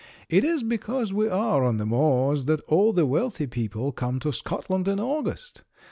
It is because we are on the moors that all the wealthy people come to Scotland in August.